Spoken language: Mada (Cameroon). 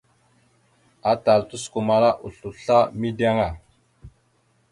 Atal tosəkomala oslo asla mideŋ a.